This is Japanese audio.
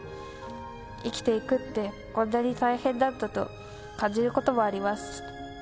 生きていくって、こんなに大変なんだと感じることもあります。